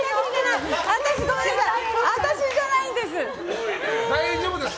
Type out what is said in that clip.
私じゃないんです！